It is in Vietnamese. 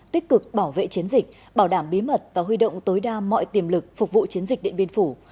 tích cực bảo vệ chiến dịch bảo đảm bí mật và huy động tối đa mọi tiềm lực phục vụ chiến dịch điện biên phủ